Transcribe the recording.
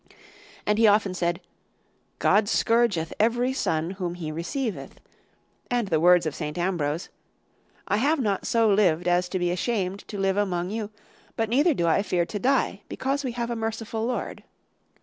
And he often said, 'God scourgeth every son whom He receiveth'; and the words of St. Ambrose, 'I have not so lived as to be ashamed to live among you; but neither do I fear to die, because we have a merciful Lord.